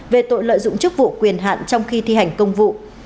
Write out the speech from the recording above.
về tội lợi dụng chức vụ quyền hạn trong khi thi hành công vụ